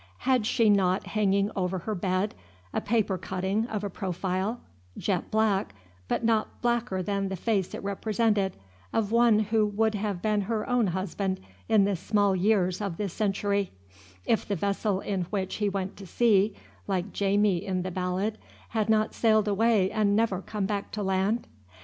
Had she not hanging over her bed a paper cutting of a profile, jet black, but not blacker than the face it represented of one who would have been her own husband in the small years of this century, if the vessel in which he went to sea, like Jamie in the ballad, had not sailed away and never come back to land?